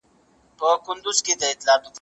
د پانګونې د لوړوالي مخه مه نيسئ.